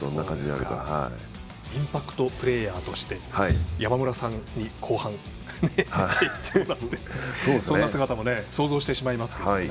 インパクトプレーヤーとして山村さんに後半出て行ってもらってそんな姿も想像してしまいますが。